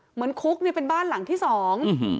เหมือนคุกนี่เป็นบ้านหลังที่สอง